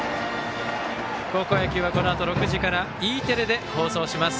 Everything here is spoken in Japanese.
高校野球はこのあと６時からＥテレで放送します。